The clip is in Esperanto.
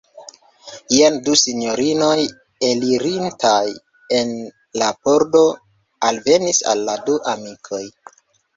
Jen du sinjorinoj elirintaj el la pordo alvenis al la du amikoj.